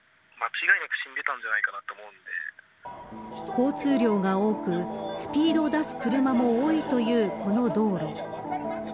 交通量が多くスピードを出す車も多いというこの道路。